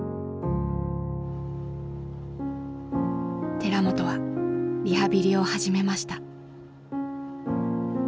寺本はリハビリを始めました。